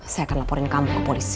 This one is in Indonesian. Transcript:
saya akan laporin kamu ke polisi